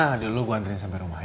ada lu gue antriin sampe rumah ya